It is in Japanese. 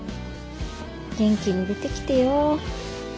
元気に出てきてよ。